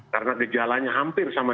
karena dijalannya hampir sama